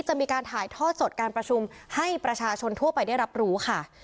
จะมีการถ่ายทอดสดการประชุมให้ประชาชนทั่วไปได้รับรู้ค่ะ